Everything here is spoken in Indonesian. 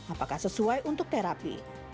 apakah sesuai untuk terapi